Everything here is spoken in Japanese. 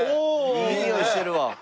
いいにおいしてるわ。